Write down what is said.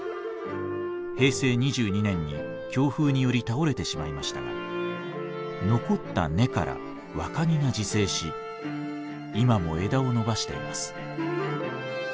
平成２２年に強風により倒れてしまいましたが残った根から若木が自生し今も枝を伸ばしています。